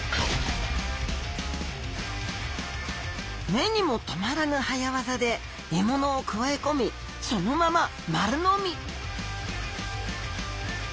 目にもとまらぬ早ワザで獲物をくわえ込みそのまま丸飲み！